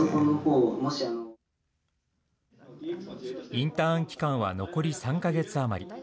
インターン期間は残り３か月余り。